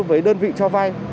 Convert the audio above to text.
với đơn vị cho vay